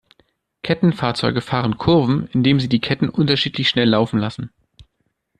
Kettenfahrzeuge fahren Kurven, indem sie die Ketten unterschiedlich schnell laufen lassen.